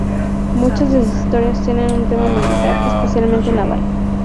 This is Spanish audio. Muchas de sus historias tienen tema militar, especialmente naval.